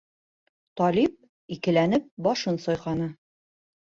Талип, икеләнеп, башын сайҡаны.